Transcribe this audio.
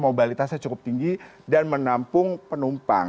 mobilitasnya cukup tinggi dan menampung penumpang